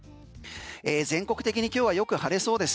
全国的に今日はよく晴れそうです。